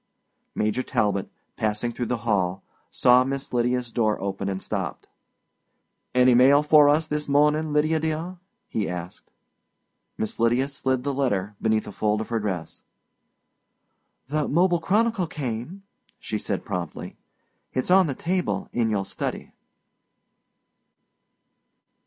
Major Talbot, passing through the hall, saw Miss Lydia's door open and stopped. "Any mail for us this morning, Lydia, dear?" he asked. Miss Lydia slid the letter beneath a fold of her dress. "The Mobile Chronicle came," she said promptly. "It's on the table in your study."